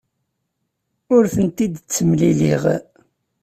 Ur tent-id-ttemliliɣ.